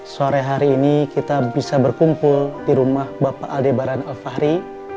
sore hari ini kita bisa berkumpul di rumah bapak al debaran alfahri